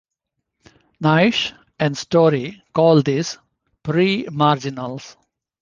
Naish and Story call these "pre-marginals".